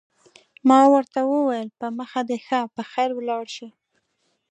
ما ورته وویل: په مخه دې ښه، په خیر ولاړ شه.